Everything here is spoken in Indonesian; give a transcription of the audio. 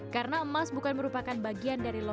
karena emas bukan merupakan bagian dari logam